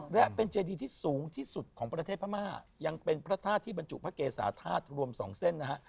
และเป็นเจดีที่สูงที่สุดของประเทศพม่ายังเป็นพระธาตุที่บรรจุพระเกษาธาตุรวม๒เส้นนะฮะ